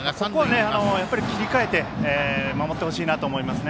ここは切り替えて守ってほしいなと思いますね。